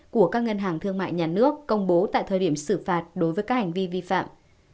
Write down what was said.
của các ngân hàng thương mại nhà nước công bố tại thời điểm xử phạt đối với các hành vi vi phạm